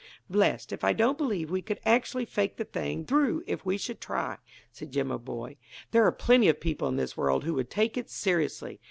"Blest if I don't believe we could actually fake the thing through if we should try," said Jimaboy. "There are plenty of people in this world who would take it seriously."